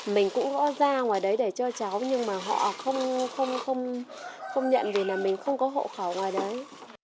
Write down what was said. mình cũng có ra ngoài đấy để cho cháu nhưng mà họ không nhận vì là mình không có hộ khẩu ngoài đấy